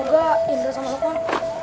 semoga indah sama lo pak